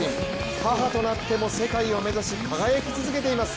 母となっても世界を目指し輝き続けています。